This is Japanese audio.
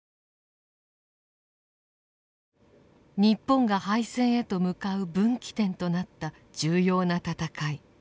日本が敗戦へと向かう分岐点となった重要な戦い。